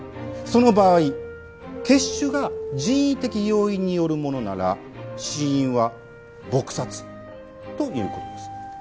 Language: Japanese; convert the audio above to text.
その場合血腫が人為的要因によるものなら死因は撲殺という事です。